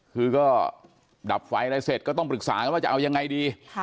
คือก็ดับไฟอะไรเสร็จก็ต้องปรึกษากันว่าจะเอายังไงดี